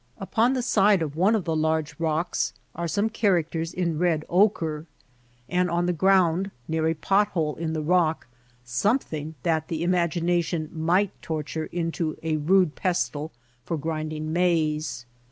Upon the side of one of the large rocks are some characters in red ochre ; and on the ground near a pot hole in the rock, something that the imagination might torture into a rude pestle for grinding maize.